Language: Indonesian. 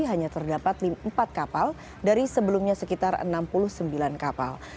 hanya terdapat empat kapal dari sebelumnya sekitar enam puluh sembilan kapal